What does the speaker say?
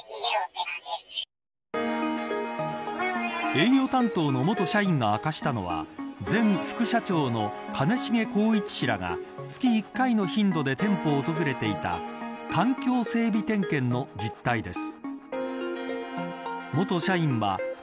営業担当の元社員が明かしたのは前副社長の兼重宏一氏らが月１回の頻度で店舗を訪れていた環境整備点検の実態です。